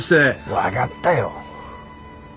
分がったよ。